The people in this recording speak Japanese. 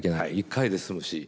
１回で済むし。